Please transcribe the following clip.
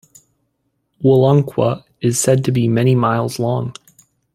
Wollunqua is said to be many miles long.